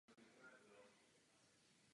V dalším úseku havaroval a ze soutěže odstoupil.